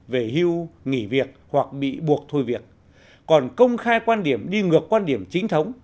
về hưu nghỉ việc hoặc bị buộc thôi việc còn công khai quan điểm đi ngược quan điểm chính thống